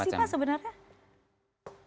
apa sih pak sebenarnya